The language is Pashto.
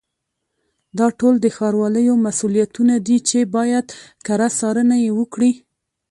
دا ټول د ښاروالیو مسؤلیتونه دي چې باید کره څارنه یې وکړي.